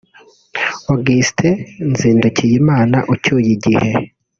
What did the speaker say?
Augustin Nzindukiyimana ucyuye igihe